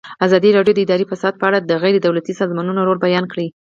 ازادي راډیو د اداري فساد په اړه د غیر دولتي سازمانونو رول بیان کړی.